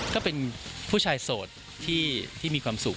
ก็เป็นผู้ชายโสดที่มีความสุข